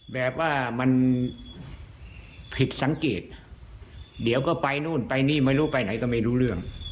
แบบว่ามันผิดสังเกตเดี๋ยวก็ไปนู่นไปนี่ไม่รู้ไปไหนก็ไม่รู้เรื่อง